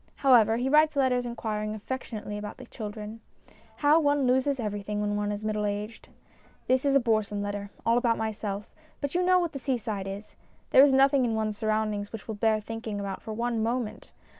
However, he writes letters inquiring affectionately about the children. How one loses everything when one is middle aged ! This is a boresome letter, all about myself; but you know what the seaside is. There is nothing in one's surroundings which will bear thinking about for one moment.